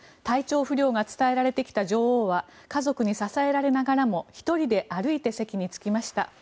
体調不良が伝えられてきた女王は家族に支えられながらも１人で歩いて席に着きました。